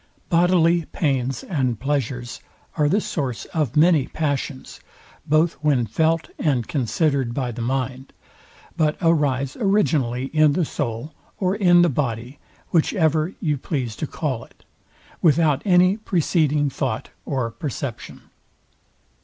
Bodily pains and pleasures are the source of many passions, both when felt and considered by the mind; but arise originally in the soul, or in the body, whichever you please to call it, without any preceding thought or perception.